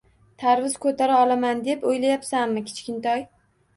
Tarvuz ko`tara olaman deb o`ylayapsanmi, kichkintoy